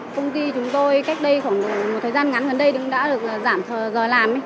công ty chúng tôi cách đây khoảng một thời gian ngắn hơn đây cũng đã được giảm giờ làm